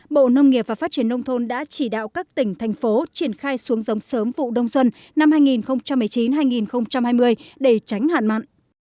bộ nông nghiệp và phát triển nông thôn đã chỉ đạo các tỉnh thành phố triển khai xuống dòng sớm vụ đông xuân năm hai nghìn một mươi chín hai nghìn hai mươi để tránh hạn mặn